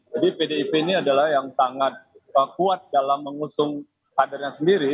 jadi pdip ini adalah yang sangat kuat dalam mengusung kadernya sendiri